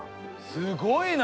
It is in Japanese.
すごいな！